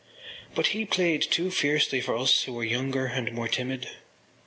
But he played too fiercely for us who were younger and more timid.